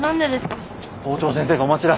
校長先生がお待ちだ。